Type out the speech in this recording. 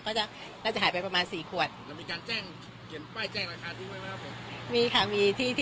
ก็จะน่าจะหายไปประมาณสี่ขวดแล้วมีการแจ้งเขียนป้ายแจ้งราคาที่ไว้ไว้